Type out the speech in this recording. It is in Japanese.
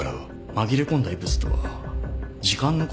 紛れ込んだ異物とは時間のことなんじゃ。